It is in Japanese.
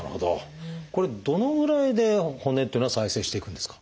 これどのぐらいで骨っていうのは再生していくんですか？